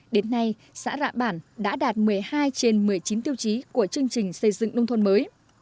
đến nay xã rạ bản đã đạt một mươi hai trên một mươi chín tiêu chí của chương trình xây dựng nông thôn mới